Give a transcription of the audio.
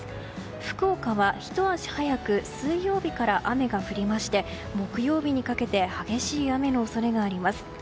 福岡は、ひと足早く水曜日から雨が降りまして木曜日にかけて激しい雨の恐れがあります。